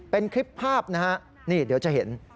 เป็นคลิปภาพนะฮะนี่เดี๋ยวจะเห็น